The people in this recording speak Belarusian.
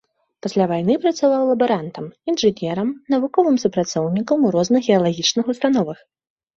Пасля вайны працаваў лабарантам, інжынерам, навуковым супрацоўнікам у розных геалагічных установах.